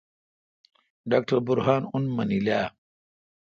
ڈاکٹر برہان اون مینل اؘ